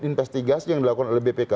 investigasi yang dilakukan oleh bpk